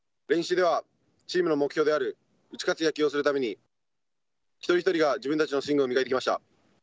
練習ではチームの目標である打ち勝つ野球をするために一人一人が自分たちのスイングを磨いてきました。